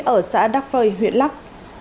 ở xã đắk phơi huyện lắk